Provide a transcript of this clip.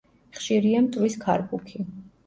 ხშირია მტვრის ქარბუქი.